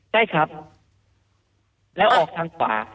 ใช่ครับแล้วออกทางขวา